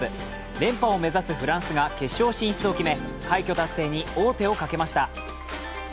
連覇を目指すフランスが決勝進出を決め快挙達成に王手をかけました。